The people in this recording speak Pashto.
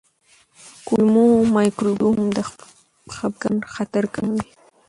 کولمو مایکروبیوم د خپګان خطر کموي.